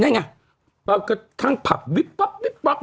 ง่ายทั้งผับวิปป๊อปวิปป๊อป